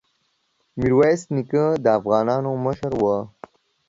ميرويس نيکه د افغانانو مشر وو.